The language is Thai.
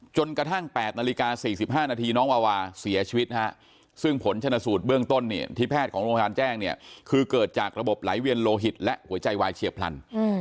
จนกระทั่ง๘นาฬิกา๔๕นาทีน้องวาวาเสียชีวิตนะฮะซึ่งผลชนสูตรเบื้องต้นเนี่ยที่แพทย์ของโรงพยาบาลแจ้งเนี่ยคือเกิดจากระบบไหลเวียนโลหิตและหัวใจวายเฉียบพลัน